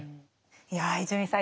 いや伊集院さん